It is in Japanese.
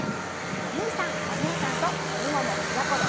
おにいさんおねえさんとみももやころ